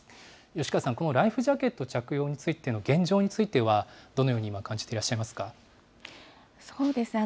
吉川さん、このライフジャケット着用についての現状については、どのように今、感じてらっしゃいそうですね。